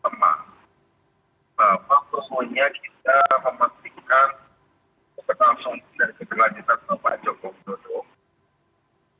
saya dan pak pak khususnya kita memastikan keberlangsungan dari kegelajatan bapak jokowi jodoh